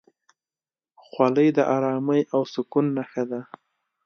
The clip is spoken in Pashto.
خولۍ د ارامۍ او سکون نښه ده.